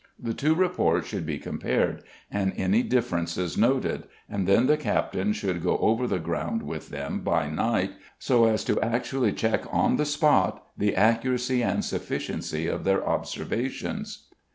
The two reports should be compared, and any differences noted, and then the Captain should go over the ground with them by night, so as to actually check on the spot the accuracy and sufficiency of their observations.